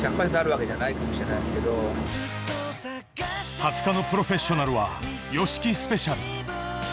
２０日のプロフェッショナルは、ＹＯＳＨＩＫＩスペシャル。